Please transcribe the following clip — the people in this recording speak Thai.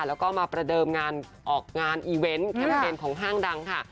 แล้วก็มาประเดิมงานออกงานอีเวนต์แคมเปญของห้างดังค่ะ